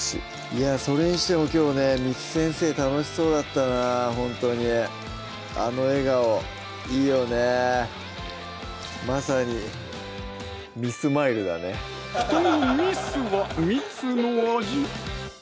いやぁそれにしてもきょうね簾先生楽しそうだったなほんとにあの笑顔いいよねまさに人のミスは蜜の味